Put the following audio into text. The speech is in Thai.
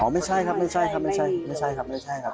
อ๋อไม่ใช่ครับ